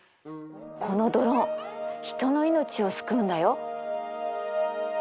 このドローン人の命を救うんだよ。